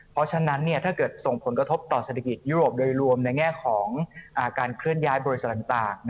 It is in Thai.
เพราะฉะนั้นถ้าเกิดส่งผลกระทบต่อเศรษฐกิจยุโรปโดยรวมในแง่ของการเคลื่อนย้ายบริษัทต่าง